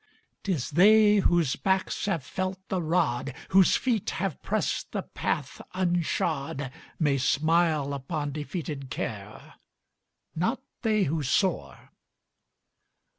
'Tis they whose backs have felt the rod, Whose feet have pressed the path unshod, May smile upon defeated care, Not they who soar.